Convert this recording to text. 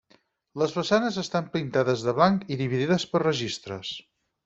Les façanes estan pintades de blanc i dividides per registres.